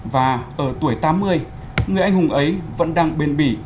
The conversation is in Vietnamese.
và ở tuổi tám mươi người anh hùng ấy vẫn đang bền bỉ